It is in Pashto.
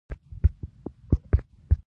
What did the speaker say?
روبوټونه د انسانانو د کار مرسته کوي.